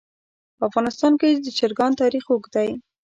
په افغانستان کې د چرګان تاریخ اوږد دی.